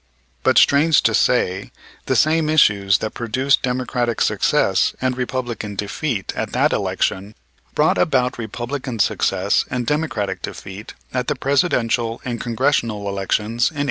But, strange to say, the same issues that produced Democratic success and Republican defeat at that election brought about Republican success and Democratic defeat at the Presidential and Congressional elections in 1896.